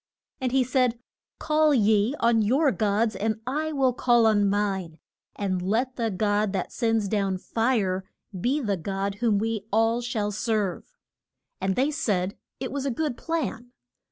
And he said, Call ye on your gods and I will call on mine, and let the God that sends down fire be the God whom we all shall serve. And they said it was a good plan.